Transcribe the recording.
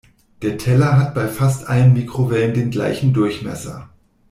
Der Teller hat bei fast allen Mikrowellen den gleichen Durchmesser.